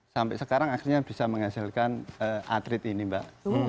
sampai sekarang akhirnya bisa menghasilkan atlet ini mbak